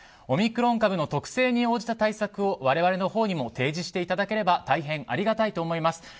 オミクロン株の特性に応じた対策を我々のほうにも提示していただければ大変ありがたいと思います。